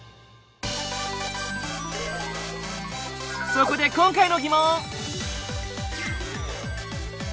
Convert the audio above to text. そこで今回の疑問！